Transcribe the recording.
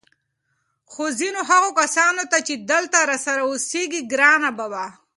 خو ځینو هغه کسانو ته چې دلته راسره اوسېږي ګرانه به وي